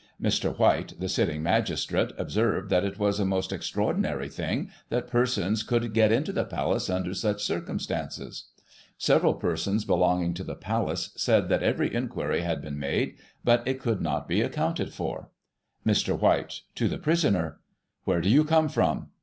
Mr. White, the sitting magistrate, observed that it was a most extraordinary thing that persons could get into the Palace under such circumstances. Several persons belonging to the Palace said that every inquiry had been made, but it could not be accounted for, Mr. White (to the prisoner) : Where do you come from